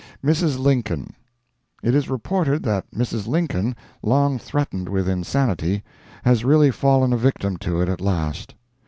MRS. LINCOLN. It is reported that Mrs. Lincoln, long threatened with insanity, has really fallen a victim to it at last.